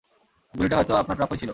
গুলিটা হয়তো আপনার প্রাপ্যই ছিল!